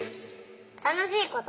たのしいこと。